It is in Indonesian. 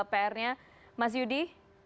pr nya mas yudi